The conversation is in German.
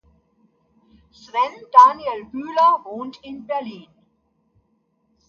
Sven Daniel Bühler wohnt in Berlin.